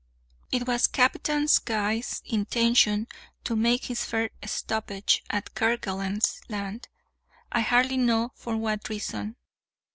It was Captain Guy's intention to make his first stoppage at Kerguelen's Land—I hardly know for what reason.